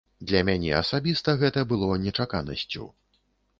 Для мяне асабіста гэта было нечаканасцю.